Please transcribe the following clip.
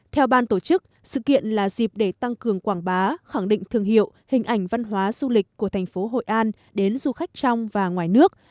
theo ban tổ chức sự kiện là dịp để tăng cường quảng bá khẳng định thương hiệu hình ảnh văn hóa du lịch của thành phố hội an đến du khách trong và ngoài nước